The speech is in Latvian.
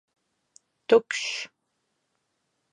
Tukšs!